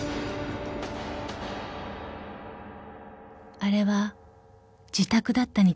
［あれは自宅だったに違いない］